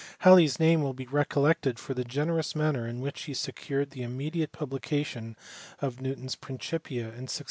Halley s name will be recollected for the generous manner in. which he secured the immediate publication of Newton s Principia in 1687.